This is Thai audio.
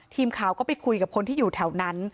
ทีมข่าวก็ไปคุยกับคนที่อยู่แถวนั้น